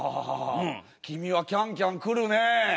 ああ君はキャンキャンくるね。